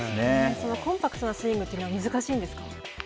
そんなコンパクトなスイングは難しいんですか。